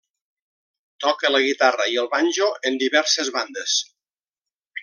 Toca la guitarra i el banjo en diverses bandes.